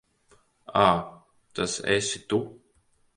Ā, tas esi tu.